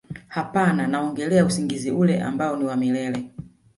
hapana naongelea usingizi ule ambao ni wa milele